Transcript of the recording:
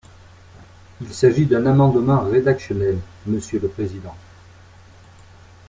Il s’agit d’un amendement rédactionnel, monsieur le président.